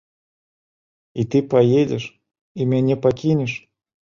І ты паедзеш і мяне пакінеш?